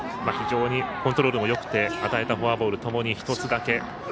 非常にコントロールもよくて与えたフォアボールともに１つだけ。